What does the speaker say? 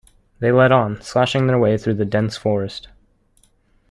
They led on, slashing their way through the dense forest.